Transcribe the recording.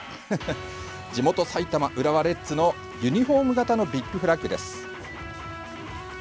地元・埼玉浦和レッズのユニフォーム型のビッグフラッグです。